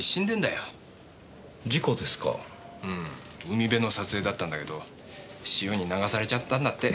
海辺の撮影だったんだけど潮に流されちゃったんだって。